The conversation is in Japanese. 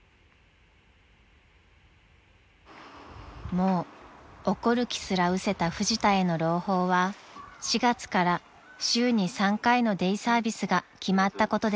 ［もう怒る気すらうせたフジタへの朗報は４月から週に３回のデイサービスが決まったことでした］